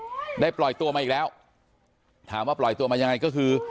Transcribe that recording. ได้ปล่อยตัวมาอีกแล้วถามว่าปล่อยตัวมายังไงก็คือ